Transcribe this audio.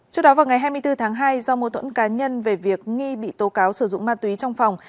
trước đó vào ngày hai mươi bốn tháng hai do mô thuẫn cá nhân về việc nghi bị tố cáo sử dụng ma túy trong phòng